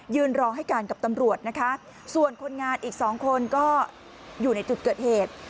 ยืนรอให้กันกับตำรวจส่วงคนงานอีก๒คนก็อยู่ในจุดเกิดเหตุ